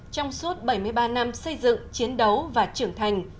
trong suốt bảy mươi ba năm xây dựng chiến đấu và trưởng thành